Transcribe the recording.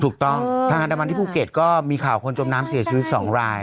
ถูกต้องทางอันดามันที่ภูเก็ตก็มีข่าวคนจมน้ำเสียชีวิต๒ราย